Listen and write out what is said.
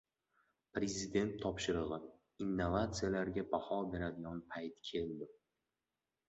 Prezident topshirig‘i: «Innovatsiyalarga baho beradigan payt keldi»